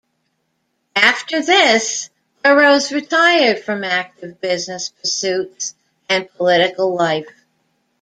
After this, Burrows retired from active business pursuits and political life.